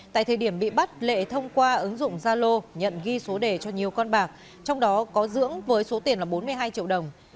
tại thời điểm bị bắt lệ thông qua ứng dụng zalo nhận ghi số đề cho nhiều con bạc trong đó có dưỡng với số tiền là bốn mươi hai triệu đồng